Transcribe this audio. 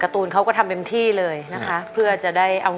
คุณยายแดงคะทำไมต้องซื้อลำโพงและเครื่องเสียง